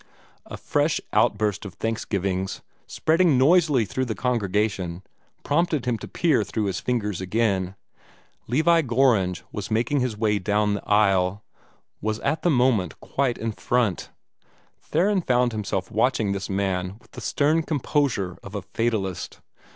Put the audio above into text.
A fresh outburst of thanksgivings, spreading noisily through the congregation, prompted him to peer through his fingers again. Levi Gorringe was making his way down the aisle was at the moment quite in front. Theron found himself watching this man with the stern composure of a fatalist.